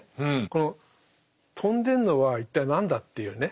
この飛んでるのは一体何だ？っていうね。